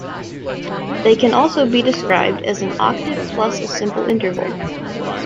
They can also be described as an octave plus a simple interval.